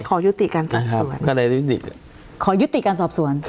ขอยุติการสอบสวนก็เลยขอยุติการสอบสวน